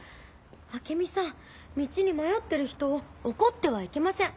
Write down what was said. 明美さん道に迷ってる人を怒ってはいけません。